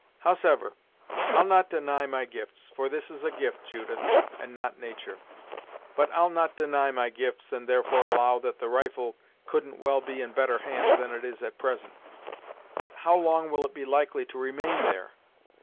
Howsever, I'll not deny my gifts for this is a gift, Judith, and not natur' but, I'll not deny my gifts, and therefore allow that the rifle couldn't well be in better hands than it is at present. But, how long will it be likely to remain there?